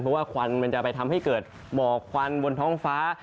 เพราะว่าควันมันจะไปทำให้เกิดหมอกควันบนท้องฟ้า